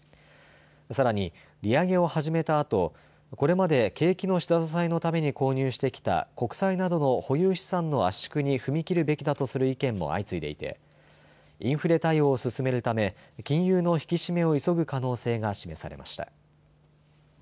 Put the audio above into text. さらに利上げを始めたあとこれまで景気の下支えのために購入してきた国債などの保有資産の圧縮に踏み切るべきだとする意見も相次いでいてインフレ対応を進めるため金融の引き締めを急ぐ可能性が示されました。